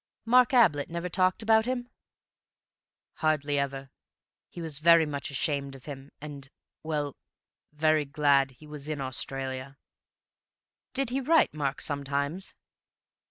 "Mark Ablett never talked about him?" "Hardly ever. He was very much ashamed of him, and—well, very glad he was in Australia." "Did he write Mark sometimes?"